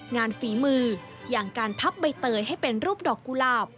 ฝีมืออย่างการพับใบเตยให้เป็นรูปดอกกุหลาบ